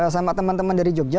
sama teman teman dari jogja